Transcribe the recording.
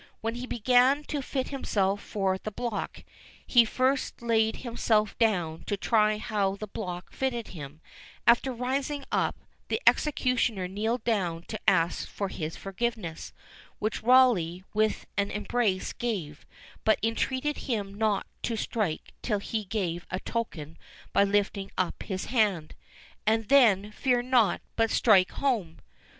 When he began to fit himself for the block, he first laid himself down to try how the block fitted him; after rising up, the executioner kneeled down to ask his forgiveness, which Rawleigh with an embrace gave, but entreated him not to strike till he gave a token by lifting up his hand, "_and then, fear not, but strike home!